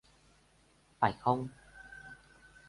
Phải không